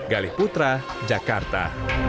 galih putra jakarta